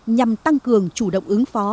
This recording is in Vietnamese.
nhằm tăng cường chủ động ứng phó